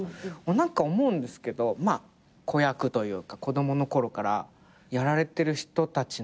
何か思うんですけど子役というか子供のころからやられてる人たちの特徴というか。